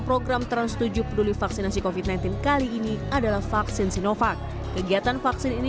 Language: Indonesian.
program trans tujuh peduli vaksinasi covid sembilan belas kali ini adalah vaksin sinovac kegiatan vaksin ini